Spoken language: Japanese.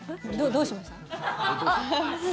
どうしました？